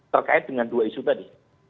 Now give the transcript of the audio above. terkait dengan dua isu tadi